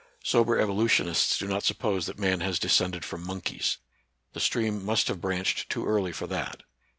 Sober evolutionists do not suppose that man has descended from monkeys. The stream must have branched too early for that.